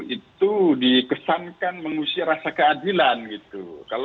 itu dikesankan mengusir rasa keadilan gitu